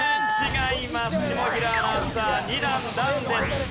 違います。